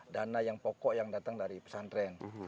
dana yang pokok yang datang dari pesantren